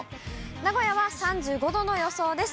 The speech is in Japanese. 名古屋は３５度の予想です。